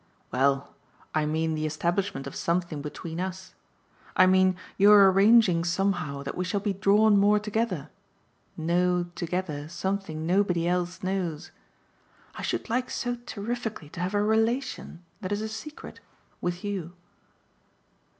"Well, I mean the establishment of something between us. I mean your arranging somehow that we shall be drawn more together know together something nobody else knows. I should like so terrifically to have a RELATION that is a secret, with you."